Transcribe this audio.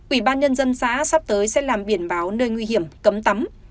ủy ban nhân dân xã sắp tới sẽ làm biển báo nơi nguy hiểm cấm tắm